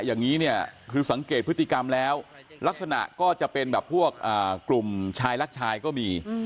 อย่างนี้เนี่ยคือสังเกตพฤติกรรมแล้วลักษณะก็จะเป็นแบบพวกกลุ่มชายรักชายก็มี